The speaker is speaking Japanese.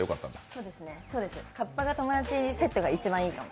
そうです、かっぱが友達セットが一番いい。